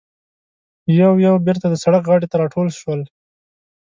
یو یو بېرته د سړک غاړې ته راټول شولو.